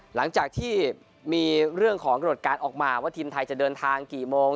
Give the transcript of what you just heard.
หลังจากที่มีเรื่องของกรดการณ์ออกมาว่าทีมไทยจะเดินทางกี่โมง